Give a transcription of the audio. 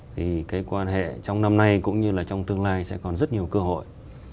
thì cái quan hệ trong năm nay cũng như là trong tương lai sẽ còn rất nhiều cơ hội